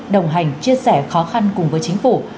đồng hành chia sẻ khó khăn cùng với chính phủ